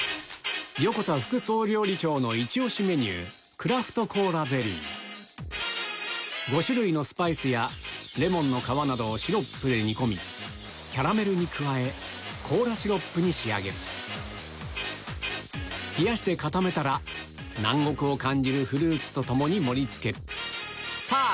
横田副総料理長のイチ押しメニュー５種類のスパイスやレモンの皮などをシロップで煮込みキャラメルに加えコーラシロップに仕上げる冷やして固めたら南国を感じるフルーツと共に盛り付けるさぁ